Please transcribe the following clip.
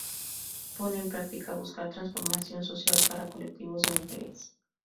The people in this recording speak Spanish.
Pone en práctica buscar transformación social para colectivos de mujeres.